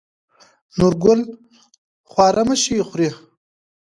نورګل: خواره مه شې خورې.